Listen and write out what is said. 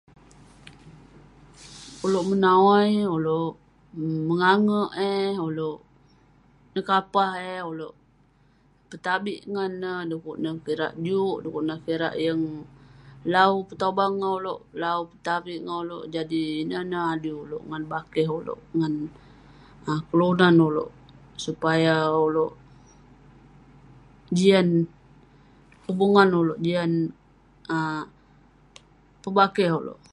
Ulouk menawai, ulouk mengangerk eh..ulouk nyekapah eh, ulouk petabik ngan neh..du'kuk neh kirak juk, du'kuk neh kirak yeng lawu petobang ngan ulouk..lawu petavik ngan ulouk..jadi inen neh adui ulouk ngan bakeh ulouk, ngan kelunan ulouk supaya ulouk jian hubungan ulouk..jian pebakeh ulouk..